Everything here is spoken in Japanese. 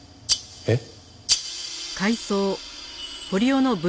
えっ？